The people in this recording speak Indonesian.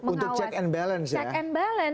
untuk check and balance ya